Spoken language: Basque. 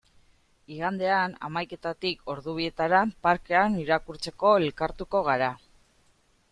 Igandean, hamaiketatik ordu bietara, parkean irakurtzeko elkartuko gara.